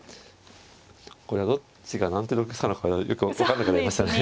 これはどっちが何手得したのかがよく分かんなくなりましたね。